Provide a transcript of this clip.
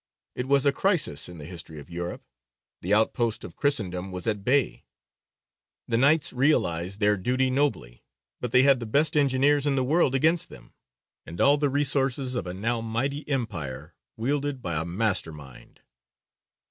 It was a crisis in the history of Europe: the outpost of Christendom was at bay. The Knights realized their duty nobly, but they had the best engineers in the world against them, and all the resources of a now mighty empire, wielded by a master mind.